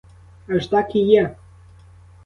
Аж так і є!!.